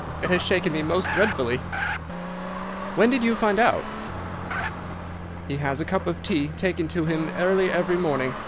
It has shaken me most dreadfully." "When did you find it out?" "He has a cup of tea taken in to him early every morning.